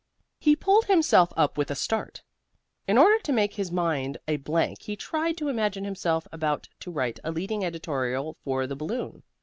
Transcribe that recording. He pulled himself up with a start. In order to make his mind a blank he tried to imagine himself about to write a leading editorial for the Balloon.